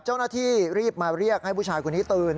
เจ้าหน้าที่รีบมาเรียกให้ผู้ชายคนนี้ตื่น